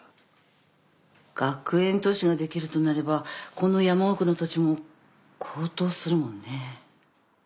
学園都市ができるとなればこの山奥の土地も高騰するもんね。